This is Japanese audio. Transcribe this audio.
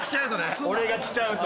俺が着ちゃうと。